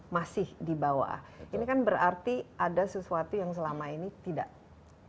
masih dibawa ini kan berarti ada sesuatu yang selama ini tidak jalan